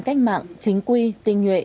cách mạng chính quy tinh nhuệ